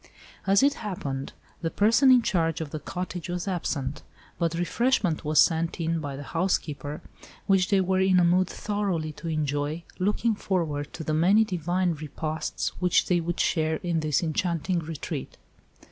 As it happened, the person in charge of the cottage was absent, but refreshment was sent in by the housekeeper, which they were in a mood thoroughly to enjoy, looking forward to the many divine repasts which they would share in this enchanting retreat.